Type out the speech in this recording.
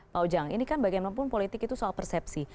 pak ujang ini kan bagaimanapun politik itu soal persepsi